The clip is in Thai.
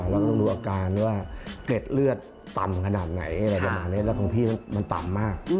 แล้วก็ดูอาการว่าเกร็ดเลือดต่ำขนาดไหนอะไรประมาณนี้แล้วตรงที่มันต่ำมาก